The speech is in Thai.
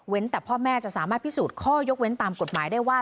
แต่พ่อแม่จะสามารถพิสูจน์ข้อยกเว้นตามกฎหมายได้ว่า